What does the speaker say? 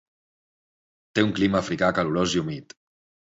Té un clima africà calorós i humit.